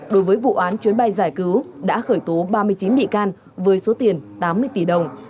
đối với vụ án chuyến bay giải cứu đã khởi tố ba mươi chín bị can với số tiền tám mươi tỷ đồng